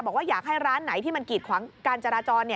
บอกว่าอยากให้ร้านไหนที่มันกีดขวางการจราจร